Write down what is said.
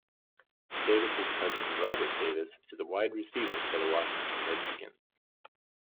Davis' cousin, Robert Davis, is a wide receiver for the Washington Redskins.